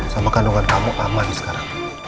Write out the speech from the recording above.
sama kandungan kamu aman nih sekarang